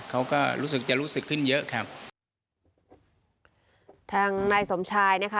เขาก็รู้สึกจะรู้สึกขึ้นเยอะครับทางนายสมชายนะคะ